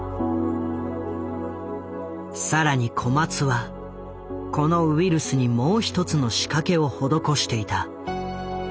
更に小松はこのウイルスにもう一つの仕掛けを施していた。